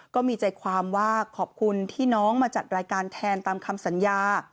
ก็มีใจความว่าขอบคุณที่น้องมาจัดรายการแทนตามคำสัญญา